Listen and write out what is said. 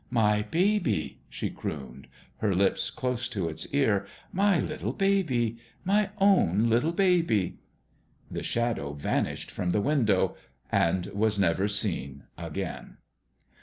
" My baby !" she crooned, her lips close to its ear ;" my little baby my own little baby !" The Shadow vanished from the window and was never seen again.